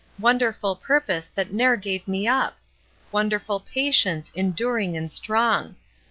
Wonderful purpose that ne'er gave me up ! Wonderful patience, enduring and strong